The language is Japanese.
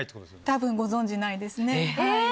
たぶんご存じないですね。